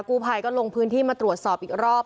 กู้ภัยก็ลงพื้นที่มาตรวจสอบอีกรอบ